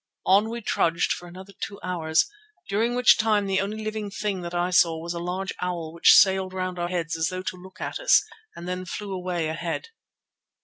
On we trudged for another two hours, during which time the only living thing that I saw was a large owl which sailed round our heads as though to look at us, and then flew away ahead.